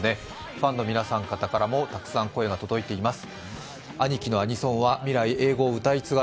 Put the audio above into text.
ファンの皆さんの方からもたくさん声が届いています。